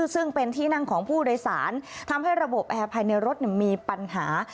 ซึ่งเป็นที่นั่งของผู้โดยสารทำให้ระบบแอร์ภายในรถมีปัญหา